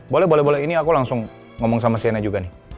boleh boleh ini aku langsung ngomong sama siena juga nih